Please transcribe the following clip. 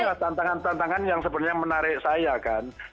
ini lah tantangan tantangan yang sebenarnya menarik saya kan